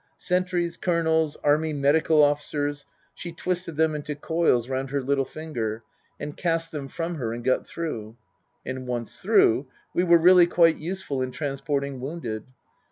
Sentries, colonels, army medical officers she twisted them into coils round her little finger, and cast them from her and got through. And once through, we were really quite useful in transporting wounded.